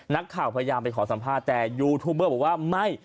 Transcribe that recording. นักข่าวพยายามไปขอสัมภาษณ์แต่ยูทูบเบอร์บอกว่าไม่